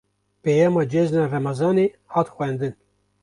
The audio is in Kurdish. Peyama cejna remezanê, hat xwendin